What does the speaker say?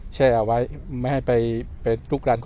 สวัสดีครับ